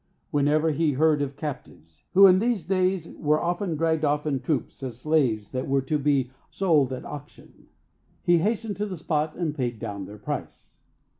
Whenever he heard of captives, who in these days were often dragged off in troops as slaves that were to be sold at auction, he hastened to the spot and paid down their price."